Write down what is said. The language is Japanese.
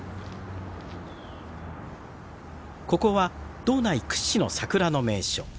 ここは道内屈指の桜の名所。